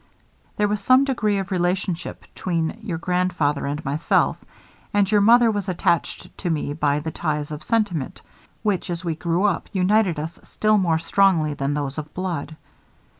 There was some degree of relationship between your grandfather and myself; and your mother was attached to me by the ties of sentiment, which, as we grew up, united us still more strongly than those of blood.